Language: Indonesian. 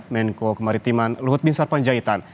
menko kemaritiman luhut bin sarpanjaitan